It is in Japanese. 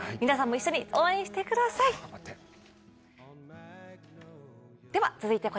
皆さんも一緒に応援してください。